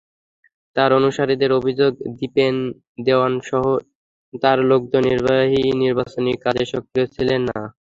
তাঁর অনুসারীদের অভিযোগ, দীপেন দেওয়ানসহ তাঁর লোকজন নির্বাচনী কাজে সক্রিয় ছিলেন না।